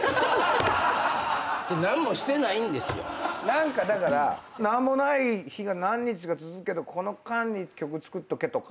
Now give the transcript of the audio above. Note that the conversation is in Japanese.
何かだから何もない日が何日か続くけどこの間に曲作っとけとか。